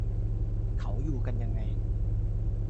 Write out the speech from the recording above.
เขาอยู่กันยังไง ?